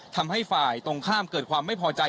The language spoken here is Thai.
ทำให้ฝ่ายตรงข้ามเกิดความไม่พอใจ